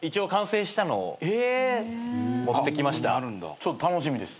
ちょっと楽しみです。